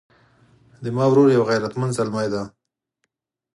زما ورور یو غیرتمند زلمی ده